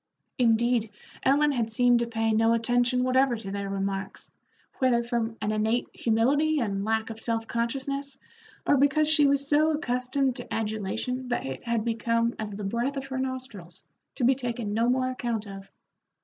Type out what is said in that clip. Indeed, Ellen had seemed to pay no attention whatever to their remarks, whether from an innate humility and lack of self consciousness, or because she was so accustomed to adulation that it had become as the breath of her nostrils, to be taken no more account of.